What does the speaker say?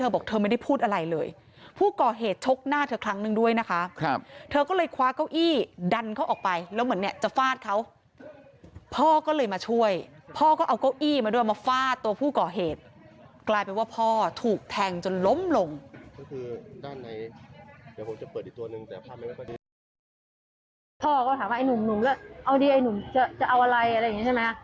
พ่อก็ถามว่าไอ้หนุ่มแล้วเอาดีไอ้หนุ่มจะเอาอะไรอะไรอย่างนี้ใช่ไหม